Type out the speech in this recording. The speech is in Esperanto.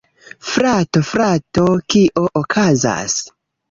Frato, frato! Kio okazas?